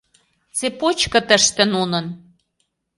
Цепочко тыште нунын!